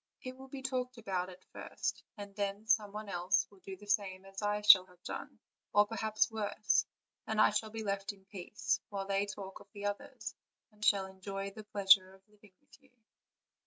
It will be talked about at first, and then some one else will do the same as I shall have done, or perhaps worse; and I shall be left in peace, while they talk of the others, and shall enjoy the pleasure of living with you."